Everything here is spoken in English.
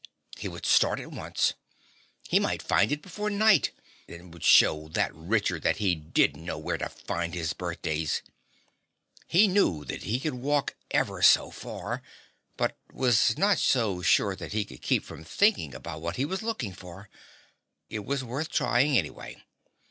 He would start at once; he might find it before night and would show that Richard that he did know where to find his birthdays. He knew that he could walk ever so far, but was not so sure that he could keep from thinking about what he was looking for. It was worth trying anyway.